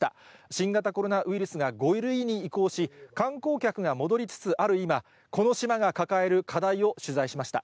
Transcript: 新型コロナウイルスが５類に移行し、観光客が戻りつつある今、この島が抱える課題を取材しました。